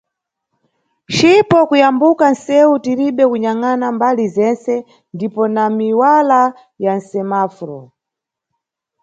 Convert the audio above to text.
Cipo kuyambuka nʼsewu tiribe kunyangʼana mʼbali zentse ndipo na miwala ya semaforo.